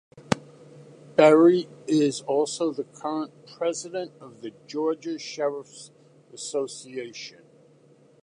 Berry is also the current President of the Georgia Sheriff's Association.